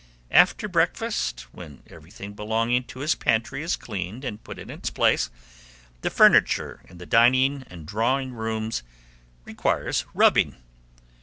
After breakfast, when everything belonging to his pantry is cleaned and put in its place, the furniture in the dining and drawing rooms requires rubbing.